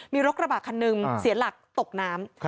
มีรถกระบะคันหนึ่งเสียหลักตกน้ำ